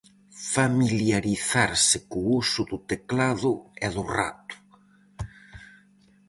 Familiarizarse co uso do teclado e do rato.